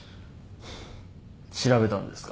調べたんですか。